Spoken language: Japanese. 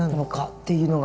っていうのが。